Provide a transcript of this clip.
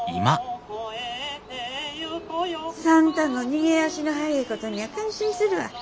算太の逃げ足の速えことにゃ感心するわ。